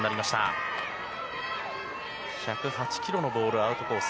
１０８キロのボールがアウトコース